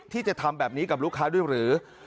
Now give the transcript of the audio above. ที่จะทำแบบนี้กับลูกค้าด้วยหรือ